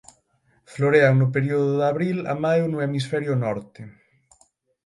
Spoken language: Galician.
Florean no período de abril a maio no hemisferio norte.